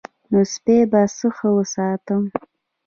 نو سپی به څه ښه وساتم.